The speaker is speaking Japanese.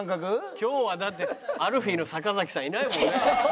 今日はだってＡＬＦＥＥの坂崎さんいないもんね。